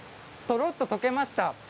とろっと溶けました。